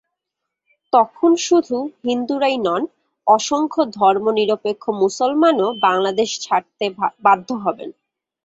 তখন শুধু হিন্দুরাই নন, অসংখ্য ধর্মনিরপেক্ষ মুসলমানও বাংলাদেশ ছাড়তে বাধ্য হবেন।